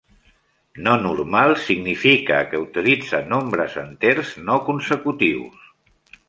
No normal significa que utilitza nombres enters no consecutius.